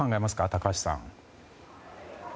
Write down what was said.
高橋さん。